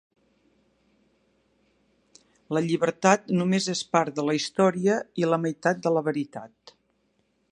La llibertat només és part de la història i la meitat de la veritat.